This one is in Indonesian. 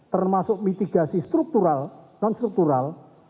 termasuk mitigasi struktural non struktural